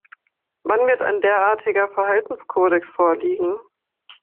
Wann wird ein derartiger Verhaltenskodex vorliegen?